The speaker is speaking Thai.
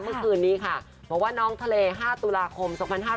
เมื่อคืนนี้ค่ะบอกว่าน้องทะเล๕ตุลาคม๒๕๕๙